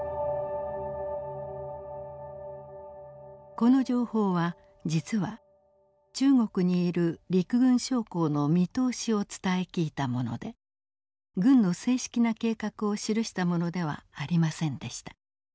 この情報は実は中国にいる陸軍将校の見通しを伝え聞いたもので軍の正式な計画を記したものではありませんでした。